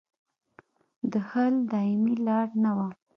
د حل دایمي لار نه وه.